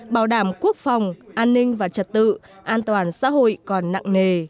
bảo đảm quốc phòng an ninh và trật tự an toàn xã hội còn nặng nề